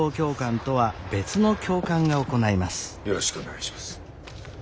よろしくお願いします。